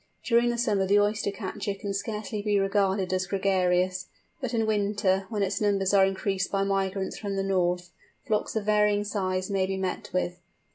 During summer the Oyster catcher can scarcely be regarded as gregarious, but in winter, when its numbers are increased by migrants from the north, flocks of varying size may be met with.